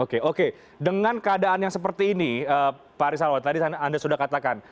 oke oke dengan keadaan yang seperti ini pak rizalwan tadi anda sudah katakan